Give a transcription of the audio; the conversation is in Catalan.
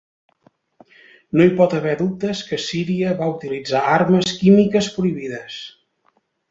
No hi pot haver dubtes que Síria va utilitzar armes químiques prohibides.